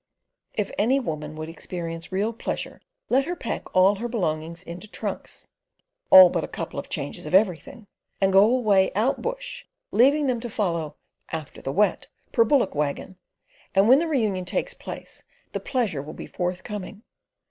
If any woman would experience real pleasure, let her pack all her belongings into trunks—all but a couple of changes of everything—and go away out bush, leaving them to follow "after the Wet" per bullock waggon, and when the reunion takes place the pleasure will be forthcoming.